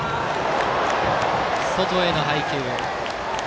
外への配球。